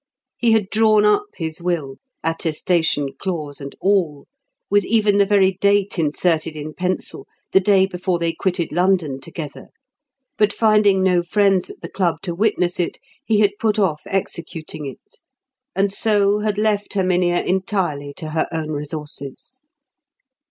He had drawn up his will, attestation clause and all, with even the very date inserted in pencil, the day before they quitted London together; but finding no friends at the club to witness it, he had put off executing it; and so had left Herminia entirely to her own resources.